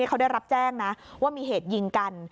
เขาได้รับแจ้งนะว่ามีเหตุยิงกัน